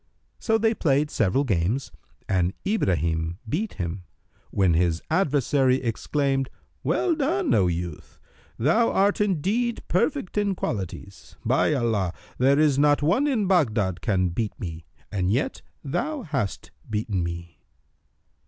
So they played several games and Ibrahim beat him, when his adversary exclaimed, "Well done, O youth! Thou art indeed perfect in qualities. By Allah, there is not one in Baghdad can beat me, and yet thou hast beaten me!"